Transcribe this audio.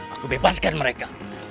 aku bebaskan mereka